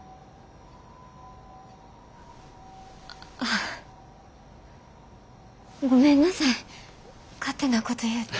ああごめんなさい勝手なこと言うて。